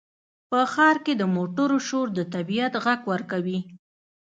په ښار کې د موټرو شور د طبیعت غږ ورکوي.